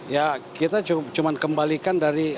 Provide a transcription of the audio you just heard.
ya kita cuma kembalikan dari